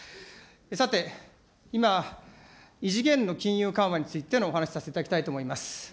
さて、今、異次元の金融緩和についてのお話をさせていただきたいと思います。